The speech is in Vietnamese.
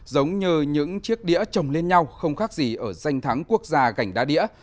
giống như những chiếc đĩa trồng lên nhau không khác gì ở danh thắng quốc gia gành đá đĩa